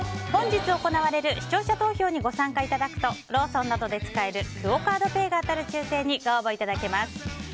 本日行われる視聴者投票にご参加いただくとローソンなどで使えるクオ・カードペイが当たる抽選にご応募いただけます。